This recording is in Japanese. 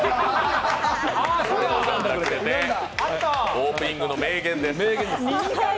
オープニングの名言です。